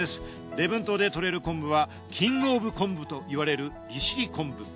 礼文島でとれる昆布はキングオブ昆布といわれる利尻昆布。